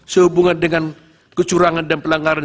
sehubungan dengan kecurangan dan pelanggaran